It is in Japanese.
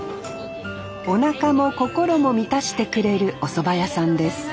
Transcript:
おなかも心も満たしてくれるおそば屋さんです